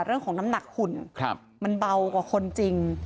เรื่องของน้ำหนักหุ่นมันเบากว่าคนจริง